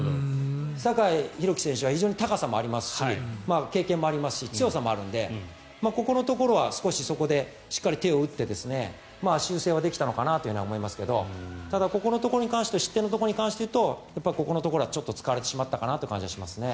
酒井宏樹は非常に高さがありますし経験もありますし強さもあるので、ここのところはそこでしっかり手を打って修正はできたのかなと思いますけどここのところ失点のところに関して言うとここのところは突かれてしまったかなという感じはしますね。